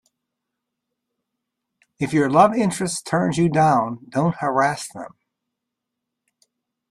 If your love interest turns you down, don't harass them.